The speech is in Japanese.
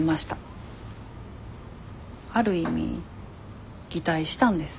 ある意味擬態したんです。